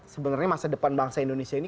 sebenarnya masa depan bangsa indonesia ini